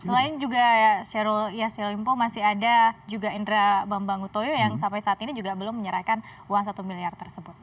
selain juga syahrul yassin limpo masih ada juga indra bambang utoyo yang sampai saat ini juga belum menyerahkan uang satu miliar tersebut